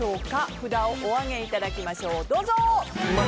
札をお上げいただきましょう。